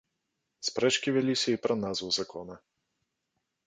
Спрэчкі вяліся і пра назву закона.